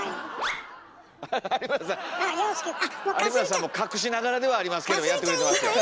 有村さんも隠しながらではありますけどやってくれてますよ。